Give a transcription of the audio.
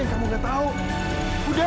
mil kamu tuh gak malu ya